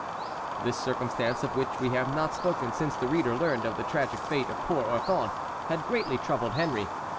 This circumstance, of which we have not spoken since the reader learned of the tragic fate of poor Orthon, had greatly troubled Henry.